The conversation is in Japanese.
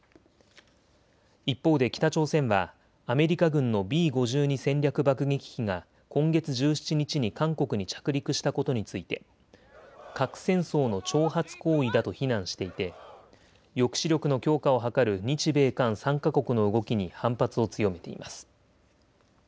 一方で北朝鮮はアメリカ軍のＢ５２戦略爆撃機が今月１７日に韓国に着陸したことについて核戦争の挑発行為だと非難していて、抑止力の強化を図る日米韓３か国の動きに反発を強めています。